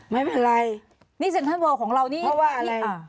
ไม่เป็นไรนี่ของเรานี่เพราะว่าอะไรอ่า